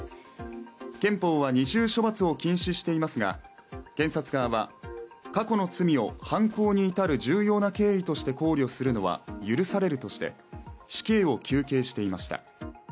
憲法は二重処罰を禁止していますが、検察側は、過去の罪を犯行に至る重要な経緯として考慮するのは許されるとして死刑を求刑していました。